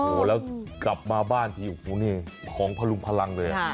โอ้โหแล้วกลับมาบ้านถ้าอยู่พรุนของพารุมพลังเลย